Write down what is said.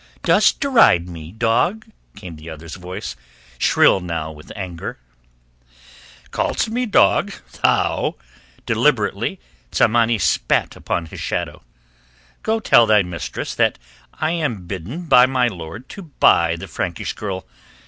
"Dost deride me, dog?" came the other's voice, shrill now with anger. "Callest me dog? Thou?" Deliberately Tsamanni spat upon his shadow. "Go tell thy mistress that I am bidden by my lord to buy the Frankish girl.